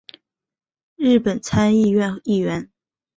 日本参议院议员。